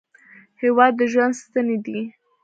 هېواد د ژوند ستنې دي.